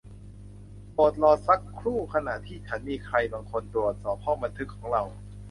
โปรดรอสักครู่ขณะที่ฉันมีใครบางคนตรวจสอบห้องบันทึกของเรา